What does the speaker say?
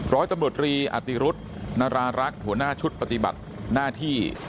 ร้อยตำรวจรีอติรุธนรารักษ์หัวหน้าชุดปฏิบัติหน้าที่